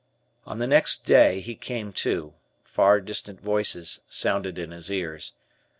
On the next day, he came to; far distant voices sounded in his ears.